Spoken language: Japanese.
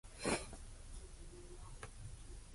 はやくしれ。